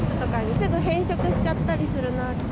すぐ変色しちゃったりするなって。